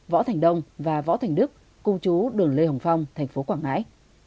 võ thành đông và võ thành đức cung chú đường lê hồng phong thành phố quảng ngãi